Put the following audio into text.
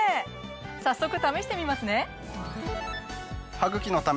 早速試してみますね。